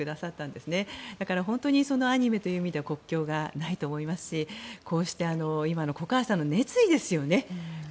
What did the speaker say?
ですから、アニメという意味では国境がないと思いますしこうして今の粉川さんの熱意ですよね。